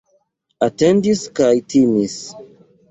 Atendis kaj timis.